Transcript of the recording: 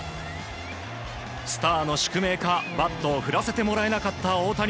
スターの宿命か、バットを振らせてもらえなかった大谷。